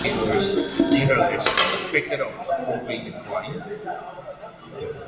He was, nevertheless, suspected of approving the crime.